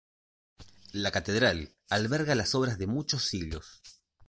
La catedral alberga las obras de muchos siglos.